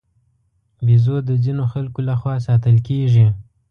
بیزو د ځینو خلکو له خوا ساتل کېږي.